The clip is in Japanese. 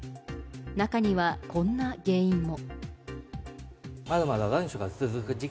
中にはこんな原因も。